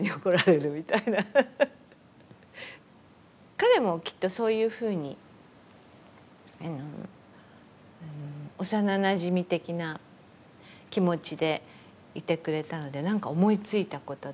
彼もきっとそういうふうにあの幼なじみ的な気持ちでいてくれたので何か思いついたこととか。